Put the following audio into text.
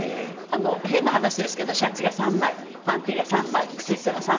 変な話ですけどシャツが３枚パンティーが３枚靴下が３枚とか。